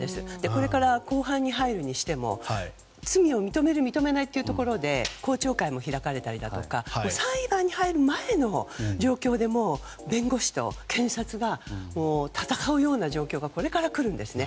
これから公判に入るにしても罪を認める、認めないというところで公聴会も開かれたりだとか裁判に入る前の状況で弁護士と検察が戦うような状況がこれから来るんですね。